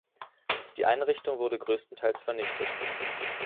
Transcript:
Die Einrichtung wurde größtenteils vernichtet.